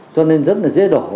cho nên rất là dễ đổ